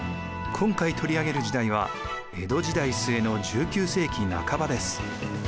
今回取り上げる時代は江戸時代末の１９世紀半ばです。